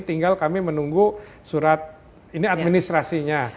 tinggal kami menunggu surat ini administrasinya